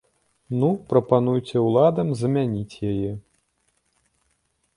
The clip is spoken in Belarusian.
Ну, прапануйце ўладам замяніць яе!